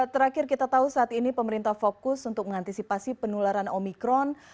terakhir kita tahu saat ini pemerintah fokus untuk mengantisipasi penularan omikron